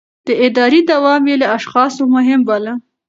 د ادارې دوام يې له اشخاصو مهم باله.